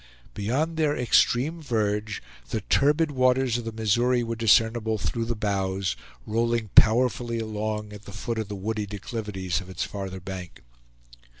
Beyond their extreme verge, the turbid waters of the Missouri were discernible through the boughs, rolling powerfully along at the foot of the woody declivities of its farther bank.